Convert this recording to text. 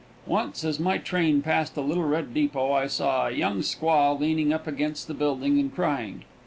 Once as my train passed a little red depot I saw a young squaw leaning up against the building, and crying.